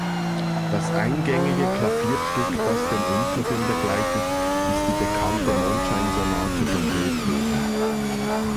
Das eingängige Klavierstück, das den Intro-Film begleitet, ist die bekannte Mondscheinsonate von Beethoven.